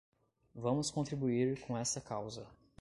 Vamos contribuir com essa causa.